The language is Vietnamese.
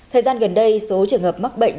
thời gian gần đây số trường hợp mắc bệnh